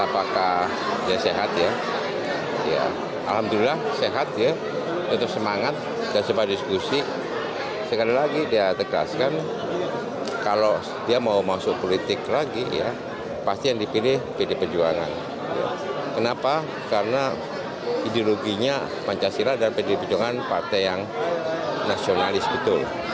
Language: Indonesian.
pasti yang dipilih pdi perjuangan kenapa karena ideologinya pancasila dan pdi perjuangan partai yang nasionalis betul